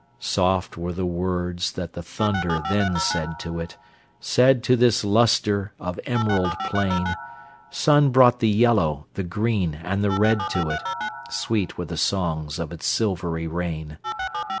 Soft were the words that the thunder then said to it—Said to this lustre of emerald plain; Sun brought the yellow, the green, and the red to it—Sweet were the songs of its silvery rain.